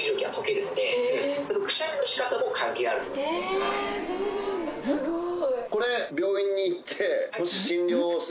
へぇそうなんだすごい！